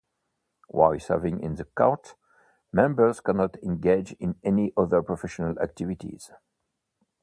While serving in the Court, members cannot engage in any other professional activities.